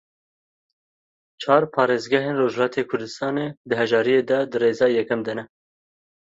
Çar parêzgehên Rojhilatê Kurdistanê di hejariyê de di rêza yekem de ne.